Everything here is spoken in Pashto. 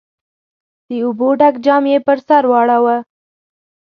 د اوبو ډک جام يې پر سر واړاوه.